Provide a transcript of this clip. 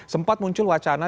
sempat muncul wacana